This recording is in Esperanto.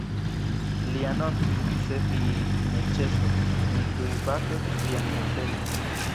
Li anoncis; "Se vi ne ĉesos, mi tuj batos vian muzelon!".